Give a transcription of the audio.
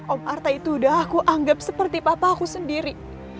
om artha itu udah aku anggap seperti papa aku sendiri